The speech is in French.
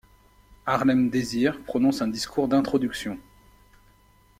Harlem Désir prononce un discours d'introduction.